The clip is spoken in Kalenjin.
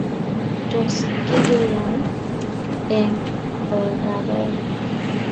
Tos kigeyain eng oldaage?